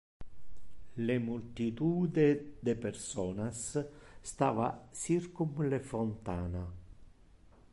Un multitude de personas stava circum le fontana.